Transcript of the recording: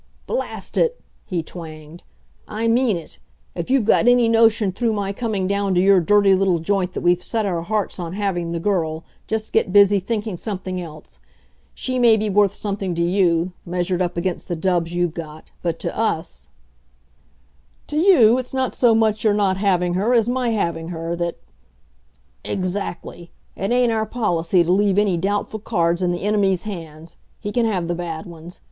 "Blast it!" he twanged. "I mean it. If you've got any notion through my coming down to your dirty little joint that we've set our hearts on having the girl, just get busy thinking something else. She may be worth something to you measured up against the dubs you've got; but to us " "To you, it's not so much your not having her as my having her that " "Exactly. It ain't our policy to leave any doubtful cards in the enemy's hands. He can have the bad ones.